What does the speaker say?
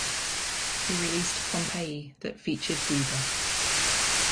He released "Pompeii" that featured Booba.